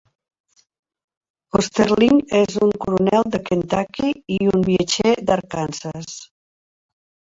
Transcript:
Osterlind és un coronel de Kentucky i un viatger d'Arkansas.